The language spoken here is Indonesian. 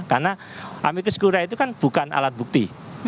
karena amicus curiae itu kan bukan alat bukti